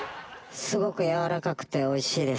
すごく軟らかくておいしいです。